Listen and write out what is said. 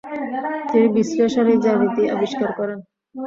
তিনি বিশ্লেষণী জ্যামিতি আবিষ্কার করেন।